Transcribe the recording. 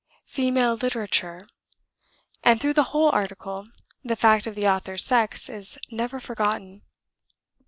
"Female Literature," and through the whole article the fact of the author's sex is never forgotten.